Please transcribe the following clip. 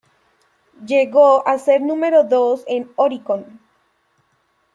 Llegó a ser número dos en Oricon.